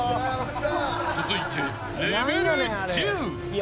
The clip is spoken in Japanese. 続いて、レベル１０。